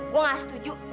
gue nggak setuju